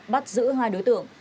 bắt giữ hai đối tượng